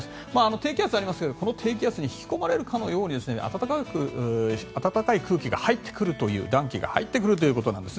低気圧ありますがこの低気圧に引き込まれるように暖かい空気が入ってくるという、暖気が入ってくるということです。